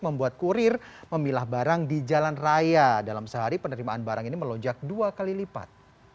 membuat kurir memilah barang di jalan raya dalam sehari penerimaan barang ini melonjak dua kali lipat